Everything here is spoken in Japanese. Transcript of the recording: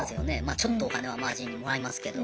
ちょっとお金はマージンもらいますけど。